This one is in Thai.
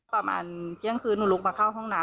ประมาณเที่ยงคืนหนูลุกมาเข้าห้องน้ำ